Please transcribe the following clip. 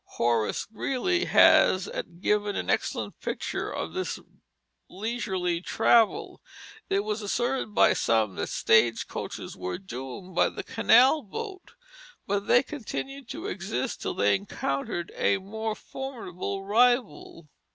Horace Greeley has given an excellent picture of this leisurely travel; it was asserted by some that stage coaches were doomed by the canal boat, but they continued to exist till they encountered a more formidable rival.